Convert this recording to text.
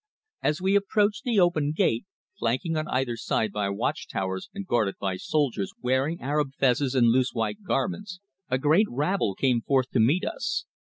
As we approached the open gate, flanked on either side by watch towers and guarded by soldiers wearing Arab fezes and loose white garments, a great rabble came forth to meet us.